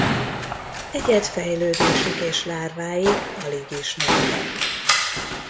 Egyedfejlődésük és lárváik alig ismertek.